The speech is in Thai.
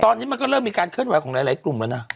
ตอนนี้มันก็เริ่มมีการเคลื่อนไหวของหลายกลุ่มแล้วนะ